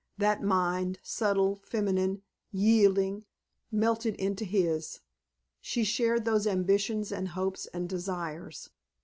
That mind, subtle, feminine, yielding, melted into his. She shared those ambitions and hopes and desires.